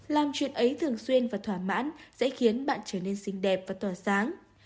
hai làm chuyện ấy thường xuyên và thoả mãn sẽ khiến bạn trở nên xinh đẹp và tỏa sáng